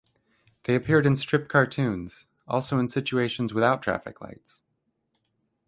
They appeared in strip cartoons, also in situations without traffic lights.